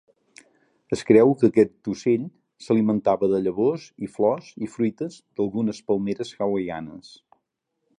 Es creu que aquest ocell s'alimentava de llavors i flors i fruites d'algunes palmeres hawaianes.